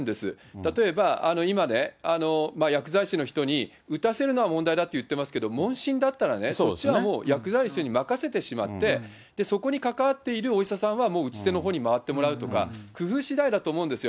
例えば、今ね、薬剤師の人に打たせるのは問題だといってますけれども、問診だったらね、じゃあもう、薬剤師の人に任せてしまって、そこに関わっているお医者さんはもう打ち手のほうに回ってもらうとか、工夫しだいだと思うんですよ。